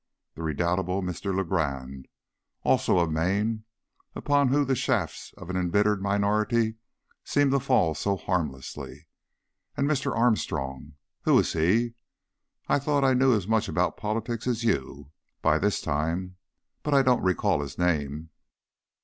The redoubtable Mr. Legrand, also of Maine, upon whom the shafts of an embittered minority seem to fall so harmlessly; and Mr. Armstrong who is he? I thought I knew as much about politics as you, by this time, but I don't recall his name."